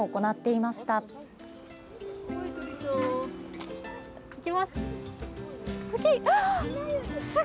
いきます。